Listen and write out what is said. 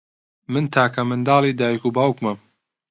من تاکە منداڵی دایک و باوکمم.